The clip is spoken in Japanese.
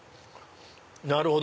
なるほど！